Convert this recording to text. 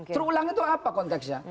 terulang itu apa konteksnya